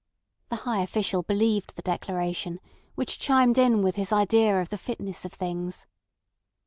The high official believed the declaration, which chimed in with his idea of the fitness of things.